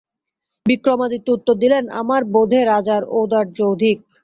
বিক্রমাদিত্য উত্তর দিলেন আমার বোধে রাজার ঔদার্য অধিক।